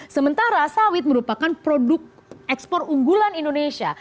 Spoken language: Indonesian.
sementara sawit merupakan produk ekspor unggulan indonesia